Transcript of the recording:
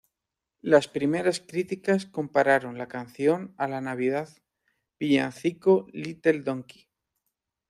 Las primeras críticas compararon la canción a la navidad villancico "Little Donkey".